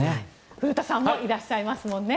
古田さんもいらっしゃいますもんね。